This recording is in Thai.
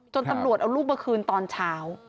ตำรวจเอาลูกมาคืนตอนเช้า